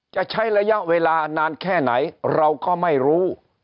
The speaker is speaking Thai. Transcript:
จะใช้ระยะเวลานานแค่ไหนเราก็ไม่รู้